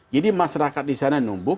jadi masyarakat di sana numbuk